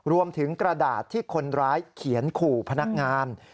รวมถึงกระดาษที่คนร้ายเขียนขู่พนักงาน